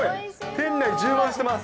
店内充満してます。